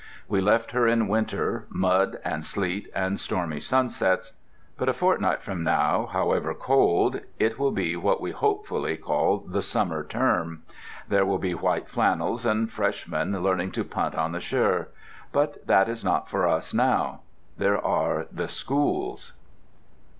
We left her in winter, mud and sleet and stormy sunsets. But a fortnight from now, however cold, it will be what we hopefully call the Summer Term. There will be white flannels, and Freshmen learning to punt on the Cher. But that is not for us now. There are the Schools....